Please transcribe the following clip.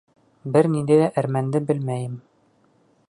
Бер ниндәй ҙә әрмәнде белмәйем.